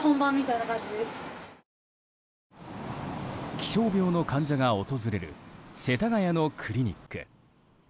気象病の患者が訪れる世田谷のクリニック。